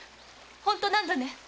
本当なんだね？